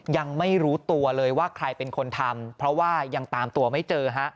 ยังไม่รู้ตัวเลยว่าใครเป็นคนทำเพราะว่ายังตามตัวไม่เจอฮะ